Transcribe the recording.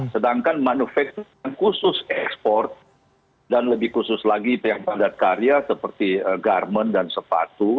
sedangkan manufaktur yang khusus ekspor dan lebih khusus lagi pihak padat karya seperti garmen dan sepatu